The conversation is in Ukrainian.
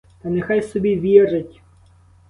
Та нехай собі вірить!